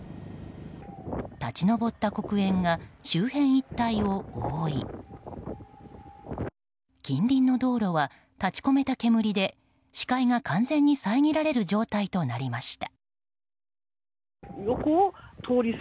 立ち上った黒煙が周辺一帯を覆い近隣の道路は立ち込めた煙で視界が完全に遮られる状態になりました。